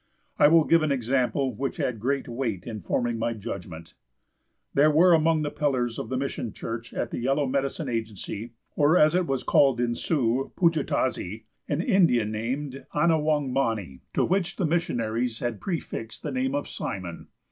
I will give an example which had great weight in forming my judgment. There were among the pillars of the mission church at the Yellow Medicine Agency (or as it was called in Sioux, Pajutazee) an Indian named Ana wang mani, to which the missionaries had prefixed the name of Simon.